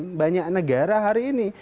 jadi mainstream banyak negara hari ini